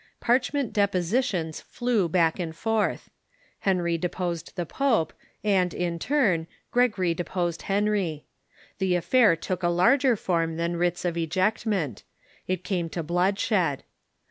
Parchment depositions flcAV back and forth. Henry de 128 THE MEDIEVAL CHUECH jjosed the pope, and, in turn, Gregory deposed Henry. The affair took a larger form than Avrits of ejectment. It came to bloodshed.